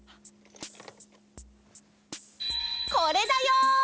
これだよ！